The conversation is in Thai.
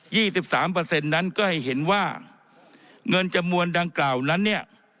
ี่สิบสามเปอร์เซ็นต์นั้นก็ให้เห็นว่าเงินจำนวนดังกล่าวนั้นเนี่ย